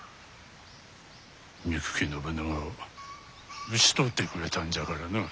憎き信長を討ち取ってくれたんじゃからな。